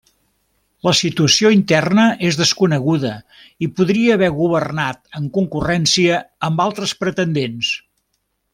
La situació interna és desconeguda i podria haver governat en concurrència amb altres pretendents.